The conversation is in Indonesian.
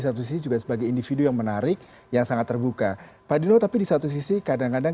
satu sisi juga sebagai individu yang menarik yang sangat terbuka pak dino tapi di satu sisi kadang kadang